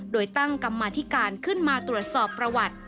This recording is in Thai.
โดยตั้งกรรมาธิการขึ้นมาตรวจสอบประวัติ